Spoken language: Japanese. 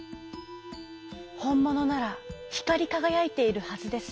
「ほんものならひかりかがやいているはずです。